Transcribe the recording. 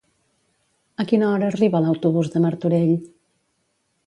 A quina hora arriba l'autobús de Martorell?